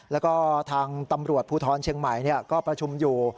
แล้วก็ทางตำรวจภูทรเชียงใหม่ก็ประชุมอยู่